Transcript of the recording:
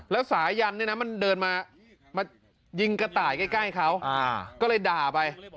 แล้วสายันเนี่ยนะมันเดินมายิงกระต่ายใกล้เขาก็เลยด่าไป